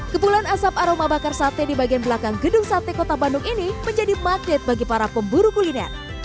kepulan asap aroma bakar sate di bagian belakang gedung sate kota bandung ini menjadi magnet bagi para pemburu kuliner